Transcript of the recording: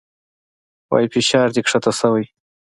وايي فشار دې کښته شوى.